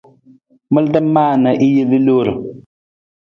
Malada maa na i jel i loor.